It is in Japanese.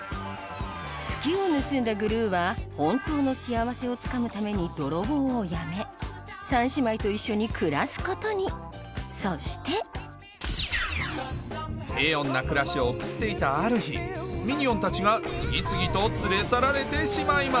月を盗んだグルーは本当の幸せをつかむために泥棒を辞め３姉妹と一緒に暮らすことにそして平穏な暮らしを送っていたある日ミニオンたちが次々と連れ去られてしまいます